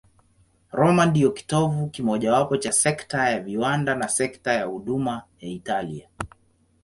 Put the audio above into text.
Roma ndiyo kitovu kimojawapo cha sekta ya viwanda na sekta ya huduma ya Italia.